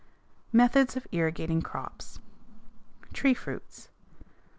METHODS OF IRRIGATING CROPS _Tree fruits.